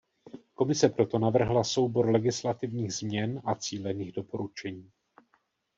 Komise proto navrhla soubor legislativních změn a cílených doporučení.